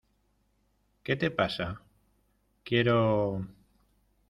¿ Qué te pasa? Quiero...